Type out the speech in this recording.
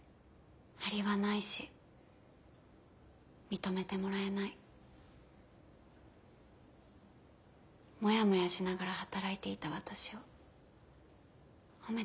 張りはないし認めてもらえないモヤモヤしながら働いていた私を褒めて支えてくれた。